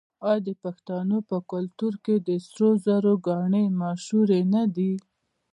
آیا د پښتنو په کلتور کې د سرو زرو ګاڼې مشهورې نه دي؟